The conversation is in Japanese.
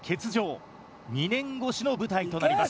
２年越しの舞台となります。